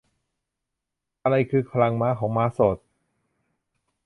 อะไรคือพลังม้าของม้าโสด